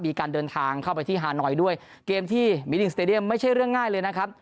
มีการเดินทางเข้าไปที่ฮานอยด์ด้วยเกมที่ไม่ใช่เรื่องง่ายเลยนะครับ